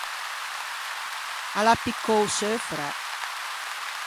A l’à piccou seu fræ.